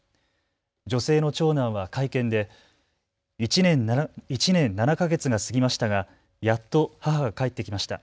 女性の長男は会見で１年７か月が過ぎましたがやっと母が帰ってきました。